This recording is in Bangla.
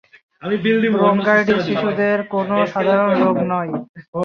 ব্রংকাইটিস শিশুদের কোনো সাধারণ রোগ নয়।